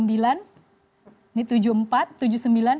ini tujuh puluh empat tujuh puluh sembilan